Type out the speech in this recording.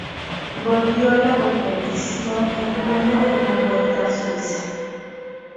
Volvió a la competición en junio en la Vuelta a Suiza.